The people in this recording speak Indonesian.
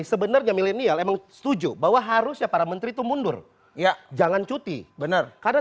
sebenarnya milenial emang setuju bahwa harusnya para menteri itu mundur ya jangan cuti benar karena